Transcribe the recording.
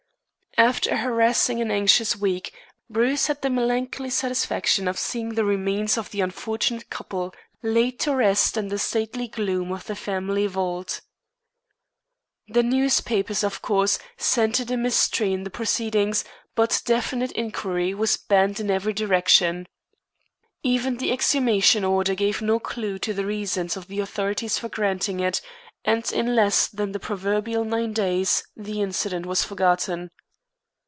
After a harassing and anxious week Bruce had the melancholy satisfaction of seeing the remains of the unfortunate couple laid to rest in the stately gloom of the family vault. The newspapers, of course, scented a mystery in the proceedings, but definite inquiry was barred in every direction. Even the exhumation order gave no clue to the reasons of the authorities for granting it, and in less than the proverbial nine days the incident was forgotten.